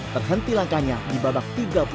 terhenti langkahnya di babak tiga puluh dua besar